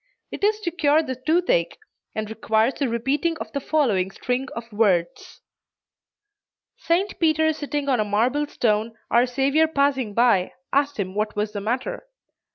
It is to cure the toothache, and requires the repeating of the following string of words: "St. Peter sitting on a marble stone, our Savior passing by, asked him what was the matter.